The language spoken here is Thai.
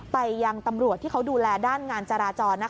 ไปยังตำรวจที่เขาดูแลด้านงานจราจร